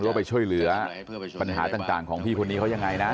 ว่าไปช่วยเหลือปัญหาต่างของพี่คนนี้เขายังไงนะ